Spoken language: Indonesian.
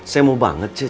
saya mau banget cek